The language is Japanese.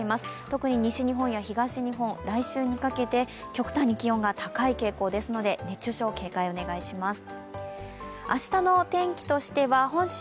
特に西日本や東日本来週にかけて極端に気温が高い傾向ですので熱中症、警戒をお願いします。